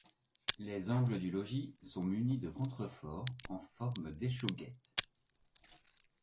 Les angles du logis sont munis de contreforts en forme d'échauguettes.